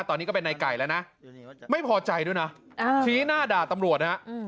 ตอนนี้ก็เป็นในไก่แล้วนะไม่พอใจด้วยนะชี้หน้าด่าตำรวจนะฮะ